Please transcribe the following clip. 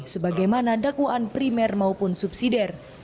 sebagaimana dakwaan primer maupun subsidi